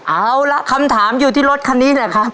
เอาละคำถามอยู่ที่รถคันนี้แหละครับ